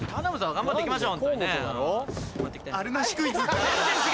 頑張っていきましょう。